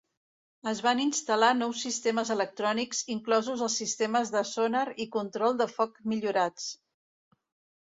Es van instal·lar nous sistemes electrònics, inclosos els sistemes de sonar i control de foc millorats.